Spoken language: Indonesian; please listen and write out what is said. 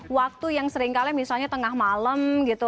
waktu yang seringkali misalnya tengah malam gitu